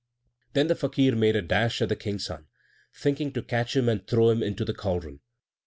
Then the Fakir made a dash at the King's son, thinking to catch him and throw him into the caldron.